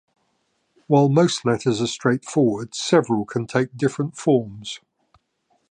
While most letters are straightforward, several can take different forms.